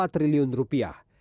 dua empat triliun rupiah